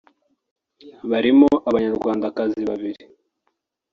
barimo Abanyarwandakazi babiri